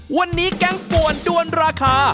วันนี้แก๊งป่วนด้วนราคา